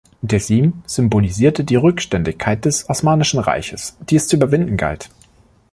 Dersim symbolisierte die Rückständigkeit des Osmanischen Reiches, die es zu überwinden galt.